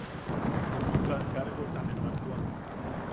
Junuka kargota ne makwak.